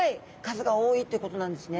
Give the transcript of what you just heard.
数が多いっていうことなんですね。